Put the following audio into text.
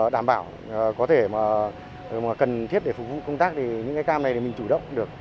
đảm bảo có thể mà cần thiết để phục vụ công tác thì những cái cam này thì mình chủ động được